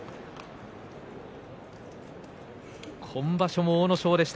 今場所も阿武咲でした。